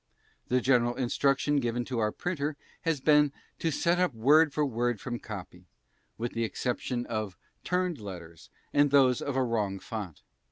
The general instruction given to our printer has been to "set up word for word from copy, with the exception of sɹǝʇʇǝʃ pǝuɹnʇ and those of a WRO_n_g _F_oNT